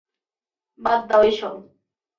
বাদ দাও এসব!